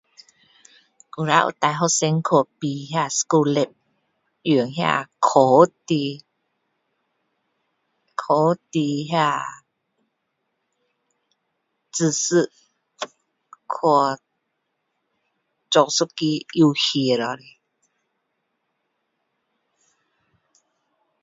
以前有带学生去比那 school lab ,用那科学的，科学的那知识。去做一个游戏咯。